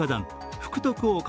福徳岡